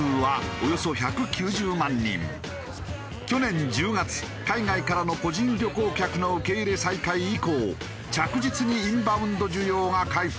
去年１０月海外からの個人旅行客の受け入れ再開以降着実にインバウンド需要が回復している。